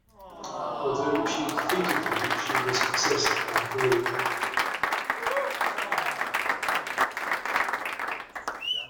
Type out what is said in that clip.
Although she defeated them, she was possessed by Farouk.